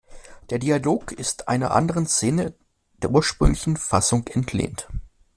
Der Dialog ist einer anderen Szene der ursprünglichen Fassung entlehnt.